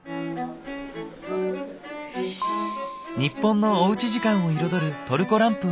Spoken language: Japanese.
日本のおうち時間を彩るトルコランプを求めて。